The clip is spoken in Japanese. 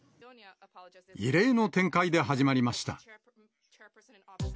異例の展開で始まりました。